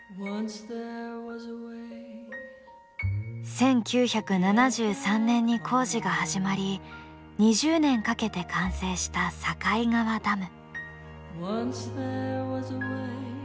１９７３年に工事が始まり２０年かけて完成した境川ダム。